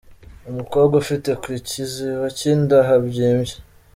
Umukobwa ufite ku kiziba cy’inda habyimbye :.